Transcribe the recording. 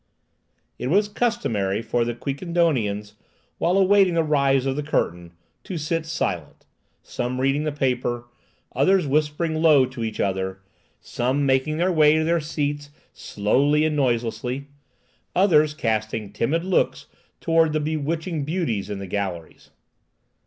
It was customary for the Quiquendonians, while awaiting the rise of the curtain, to sit silent, some reading the paper, others whispering low to each other, some making their way to their seats slowly and noiselessly, others casting timid looks towards the bewitching beauties in the galleries.